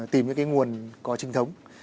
tìm những cái nguồn có trinh thống